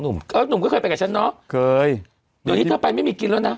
หนุ่มเออหนุ่มก็เคยไปกับฉันเนอะเคยเดี๋ยวนี้เธอไปไม่มีกินแล้วนะ